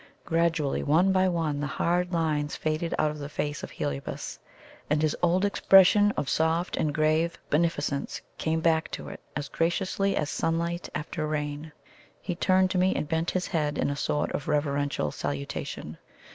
Gradually one by one the hard lines faded out of the face of Heliobas, and his old expression of soft and grave beneficence came back to it as graciously as sunlight after rain. He turned to me, and bent his head in a sort of reverential salutation.